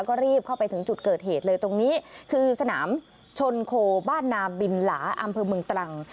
ก็รีบเข้าไปถึงจุดเกิดเหตุเลยตรงนี้คือสนามชนโคบ้านนาบินหลาอำเภอเมืองตรัง